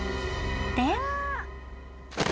［で］